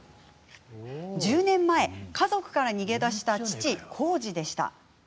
１０年前、家族から逃げ出した父・浩二でした。